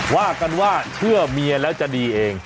ว่ากันว่าเชื่อเมียแล้วจะดีเอง